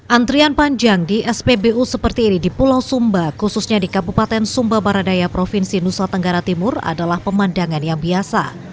antrian panjang di spbu seperti ini di pulau sumba khususnya di kabupaten sumba baradaya provinsi nusa tenggara timur adalah pemandangan yang biasa